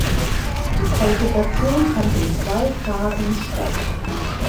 Die Qualifikation fand in zwei Phasen statt.